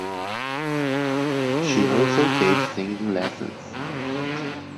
She also gave singing lessons.